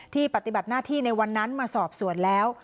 ปฏิบัติหน้าที่ในวันนั้นมาสอบสวนแล้ว